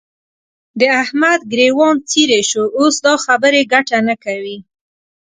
د احمد ګرېوان څيرې شو؛ اوس دا خبرې ګټه نه کوي.